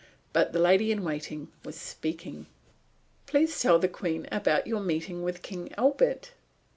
But the lady in waiting was speaking: "Please tell the Queen about your meeting with King Albert."